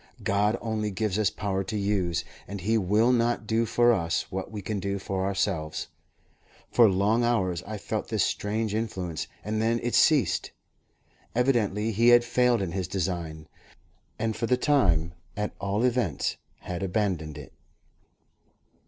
God only gives us power to use, and He will not do for us what we can do for ourselves. For two long hours I felt this strange influence, and then it ceased. Evidently he had failed in his design, and, for the time, at all events, had abandoned it.